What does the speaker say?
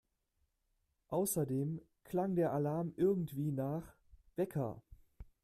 Außerdem klang der Alarm irgendwie nach … Wecker!